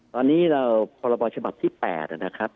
ตอนนี้เราปฉที่๘นะครับ